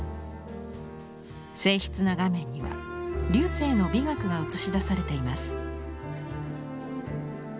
静ひつな画面には劉生の美学が写し出されています。